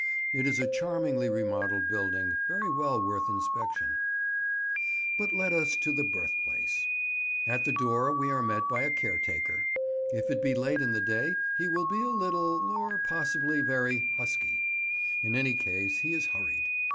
It is a charmingly remodelled building, very well worth inspection. [Picture: The Kitchen, Shakespeare's Birthplace] But let us to the Birthplace. At the door we are met by a caretaker. If it be late in the day he will be a little, or possibly very, husky. In any case he is hurried.